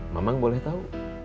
mamang boleh tahu